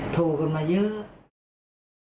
โทรกันมาเยอะ